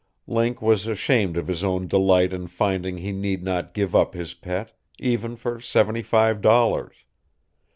Link was ashamed of his own delight in finding he need not give up his pet even for seventy five dollars.